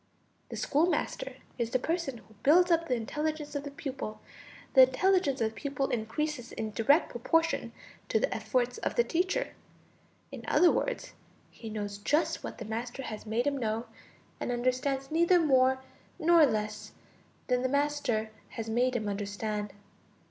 The schoolmaster is the person who builds up the intelligence of the pupil; the intelligence of the pupil increases in direct proportion to the efforts of the teacher; in other words, he knows just what the master has made him know and understands neither more nor less than the master has made him understand.